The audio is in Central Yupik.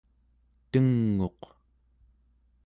teng'uq